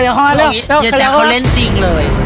ยังละอย่าใช้เขาเล่นจริงเลย